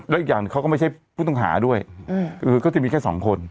และอันอื่นไม่ใช่พุทธกหาด้วยก็จะมีแค่สองคน